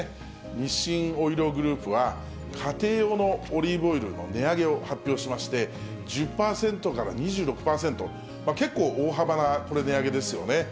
日清オイリオグループは、家庭用のオリーブオイルの値上げを発表しまして、１０％から２６％、結構大幅な値上げですよね。